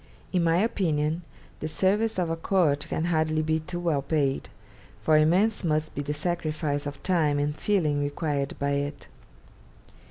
In my opinion, the service of a court can hardly be too well paid, for immense must be the sacrifice of time and feeling required by it.